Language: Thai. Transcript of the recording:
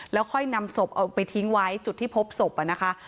แล้วค่อยนำศพเอาไปทิ้งไว้จุดที่พบศพนะคะ